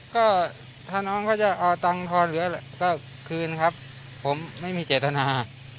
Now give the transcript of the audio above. ก็ถ้าน้องเขาจะเอาตังค์ทอนเหลือก็คืนครับผมไม่มีเจตนา